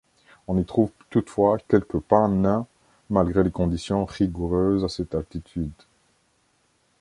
On y trouve toutefois quelques pins nains malgré les conditions rigoureuses à cette altitude.